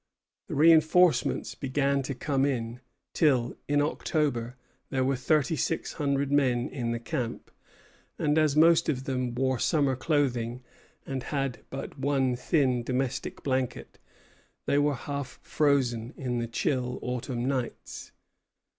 The reinforcements began to come in, till, in October, there were thirty six hundred men in the camp; and as most of them wore summer clothing and had but one thin domestic blanket, they were half frozen in the chill autumn nights.